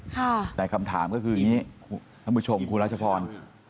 คุณรัชพรแต่คำถามก็คืออย่างนี้คุณผู้ชมคุณรัชพร